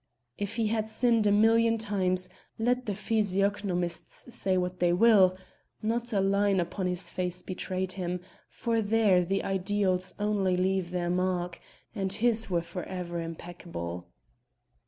If he had sinned a million times, let the physiognomists say what they will! not a line upon his face betrayed him, for there the ideals only leave their mark, and his were forever impeccable.